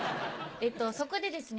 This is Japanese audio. そこでですね